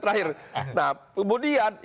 saya ingin mengucapkan